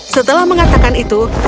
setelah mengatakan itu